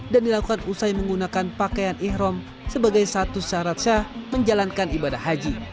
dan dilakukan usai menggunakan pakaian ihrom sebagai satu syarat syah menjalankan ibadah haji